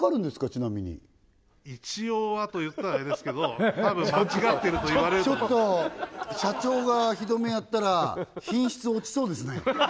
ちなみに一応はと言ったらあれですけど多分間違ってると言われると思うちょっと社長が火止めやったら品質落ちそうですね